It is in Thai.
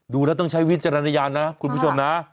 ดูแล้วต้องใช้วิจารณญาณนะคุณผู้ชมนะ